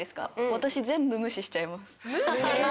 私全部無視しちゃいます。